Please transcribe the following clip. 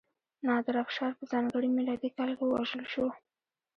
نادرافشار په ځانګړي میلادي کال کې ووژل شو.